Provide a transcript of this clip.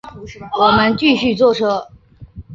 我们继续坐车